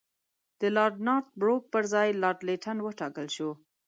د لارډ نارت بروک پر ځای لارډ لیټن وټاکل شو.